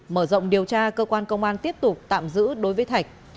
mở rộng điều tra cơ quan công an tiếp tục tạm giữ đối với thạch